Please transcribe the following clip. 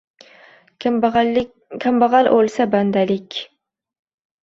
Kambag’al o’lsa-“bandalik”.